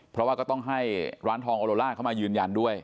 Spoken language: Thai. เพราะว่าก็ต้องให้ร้านทองโอโลล่าเข้ามายืนยันด้วย